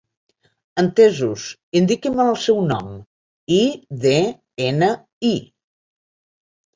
Entesos, indiqui'm el seu nom i de-ena-i.